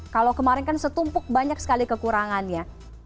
kalau kemarin kan setumpuk banyak sekali kekurangannya